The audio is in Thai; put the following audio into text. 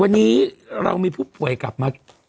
วันนี้เรามีผู้ป่วยกลับมา